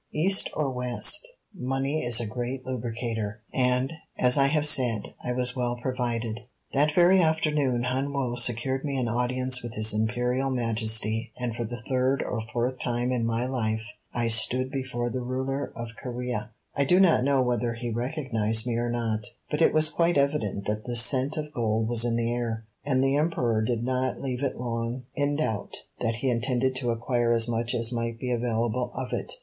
East or West, money is a great lubricator, and, as I have said, I was well provided. That very afternoon Hun Woe secured me an audience with His Imperial Majesty, and for the third or fourth time in my life I stood before the ruler of Corea. I do not know whether he recognized me or not, but it was quite evident that the scent of gold was in the air, and the Emperor did not leave it long in doubt that he intended to acquire as much as might be available of it.